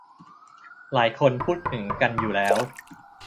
หลายคนพูดถึงกันอยู่แล้ว